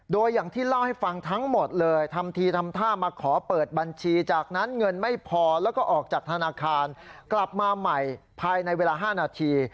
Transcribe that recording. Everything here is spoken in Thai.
โดยอย่างที่เล่าให้ฟังทั้งหมดเลยทำทีทำท่ามาขอเปิดบัญชี